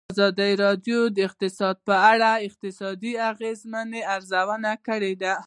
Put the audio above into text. ازادي راډیو د اقتصاد په اړه د اقتصادي اغېزو ارزونه کړې.